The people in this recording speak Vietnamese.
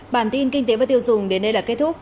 bản tin kinh tế và tiêu dùng đến đây là kết thúc